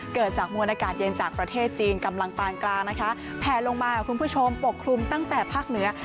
เกิดจากมวลอากาศเย็นจากประเทศจีนกำลังปานกลางนะคะแผลลงมาคุณผู้ชมปกคลุมตั้งแต่ภาคเหนือ